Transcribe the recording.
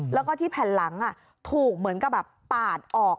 แล้วก็ที่แผ่นหลังถูกเหมือนกับแบบปาดออก